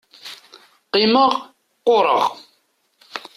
Qqimeɣ, qqureɣ.